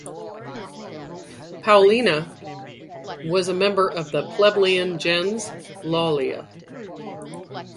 Paulina was a member of the plebeian gens Lollia.